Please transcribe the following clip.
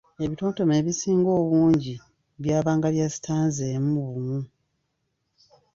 Ebitontome ebisinga obungi byabyanga bya sitanza emu bumu.